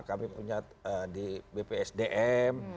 kami punya di bpsdm